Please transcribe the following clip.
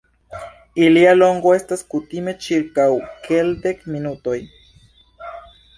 Ilia longo estas kutime ĉirkaŭ kelkdek minutoj.